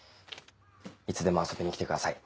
いつでも遊びに来てください。